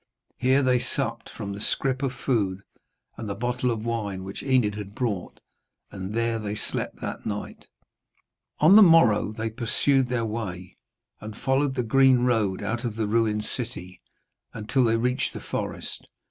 Here they supped from the scrip of food and the bottle of wine which Enid had brought, and there they slept that night. On the morrow they pursued their way, and followed the green road out of the ruined city until they reached the forest.